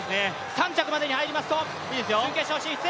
３着までに入りますと準決勝進出。